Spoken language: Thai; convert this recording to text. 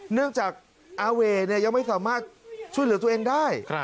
เนื่องจากอาเว่ยังไม่สามารถช่วยเหลือตัวเองได้